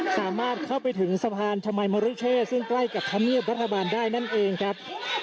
สามารถเข้าไปถึงสะพานชมัยมริเชษซึ่งใกล้กับธรรมเนียบรัฐบาลได้นั่นเองครับ